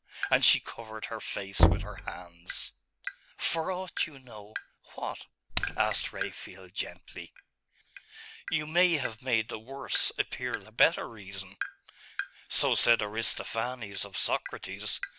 And she covered her face with her hands. 'For aught you know, what?' asked Raphael gently. 'You may have made the worse appear the better reason.' 'So said Aristophanes of Socrates.